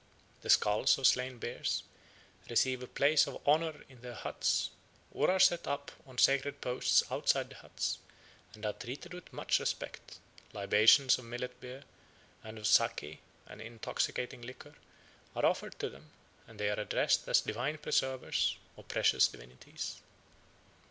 The skulls of slain bears receive a place of honour in their huts, or are set up on sacred posts outside the huts, and are treated with much respect: libations of millet beer, and of sake, an intoxicating liquor, are offered to them; and they are addressed as "divine preservers" or "precious divinities."